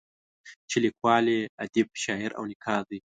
چې لیکوال یې ادیب، شاعر او نقاد دی.